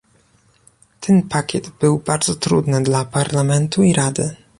Ten pakiet był bardzo trudny dla Parlamentu i Rady